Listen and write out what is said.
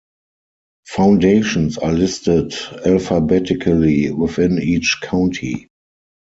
Foundations are listed alphabetically within each county.